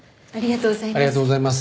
ありがとうございます。